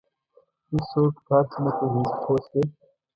هېڅوک په هر څه نه پوهېږي پوه شوې!.